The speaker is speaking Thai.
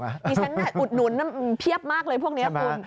มีชั้นอุดหนุนเพียบมากเลยพวกนี้ครับคุณ